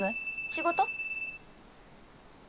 仕事？